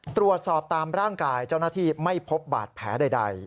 ตรวจสอบตามร่างกายเจ้าหน้าที่ไม่พบบาดแผลใด